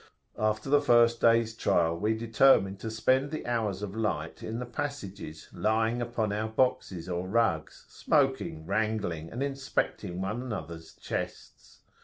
After the first day's trial, we determined to spend the hours of light in the passages, lying upon our boxes or rugs, smoking, wrangling, and inspecting one another's chests.